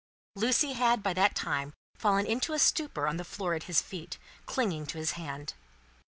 Lucie had, by that time, fallen into a stupor on the floor at his feet, clinging to his hand.